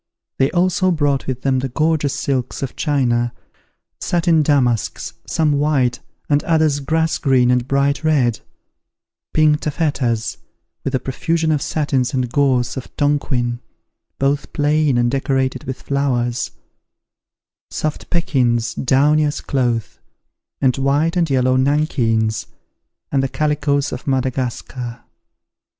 They also brought with them the gorgeous silks of China, satin damasks, some white, and others grass green and bright red; pink taffetas, with the profusion of satins and gauze of Tonquin, both plain and decorated with flowers; soft pekins, downy as cloth; and white and yellow nankeens, and the calicoes of Madagascar.